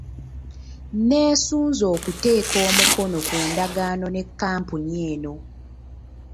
Neesunze okuteeka omukono ku ndagaano ne kkampuni eno.